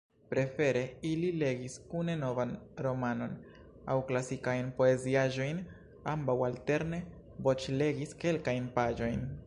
Prefere ili legis kune novan romanon aŭ klasikajn poeziaĵojn; ambaŭ alterne voĉlegis kelkajn paĝojn.